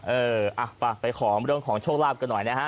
เอออ่ะไปขอเรื่องของโชคลาภกันหน่อยนะฮะ